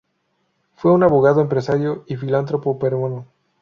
Fue un abogado, empresario y filántropo peruano.